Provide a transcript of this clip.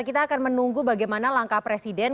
dan kita akan menunggu bagaimana langkah presiden